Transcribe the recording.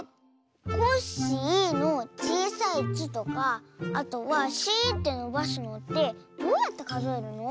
「コッシー」のちいさい「ッ」とかあとは「シー」ってのばすのってどうやってかぞえるの？